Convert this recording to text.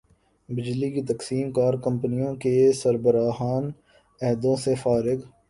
بجلی کی تقسیم کار کمپنیوں کے سربراہان عہدوں سے فارغ